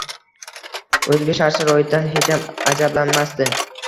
o‘zga shart-sharoitdan hecham ajablanmasdi.